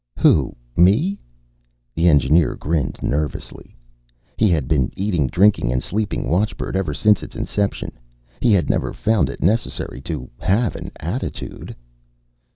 "Who, me?" The engineer grinned nervously. He had been eating, drinking and sleeping watchbird ever since its inception. He had never found it necessary to have an attitude.